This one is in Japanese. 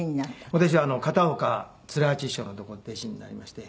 私は片岡鶴八師匠のとこの弟子になりまして。